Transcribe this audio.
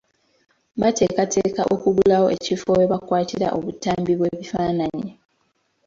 Bateekateeka kuggulawo ekifo we bakwatira obutambi bw'ebifaananyi.